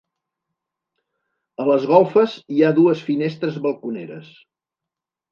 A les golfes hi ha dues finestres balconeres.